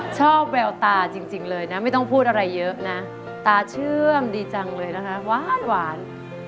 แววตาจริงเลยนะไม่ต้องพูดอะไรเยอะนะตาเชื่อมดีจังเลยนะคะหวาน